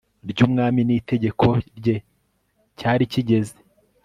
ry umwami n itegeko rye cyari kigeze